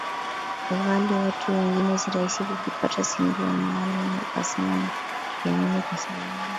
ghali watu wengine si rahisi kukipata Si ndio maana nkasema najiamini kwa sababu